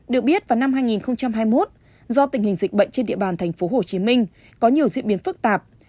được biết vào năm hai nghìn hai mươi một do tình hình dịch bệnh trên địa bàn tp hcm có nhiều diễn biến phức tạp